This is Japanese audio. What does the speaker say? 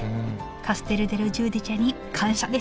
カステル・デル・ジューディチェに感謝です